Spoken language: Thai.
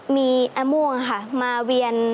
มีอาม่วงค่ะมาเวียน